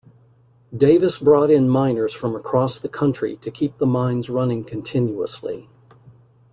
Davis brought in miners from across the country to keep the mines running continuously.